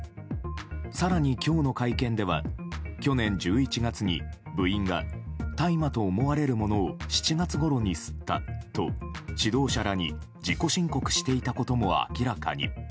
更に、今日の会見では去年１１月に部員が大麻と思われるものを７月ごろに吸ったと指導者らに自己申告していたことも明らかに。